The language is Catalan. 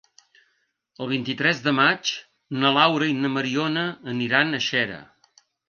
El vint-i-tres de maig na Laura i na Mariona aniran a Xera.